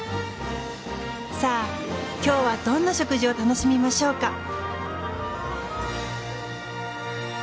さあ今日はどんな食事を楽しみましょうか。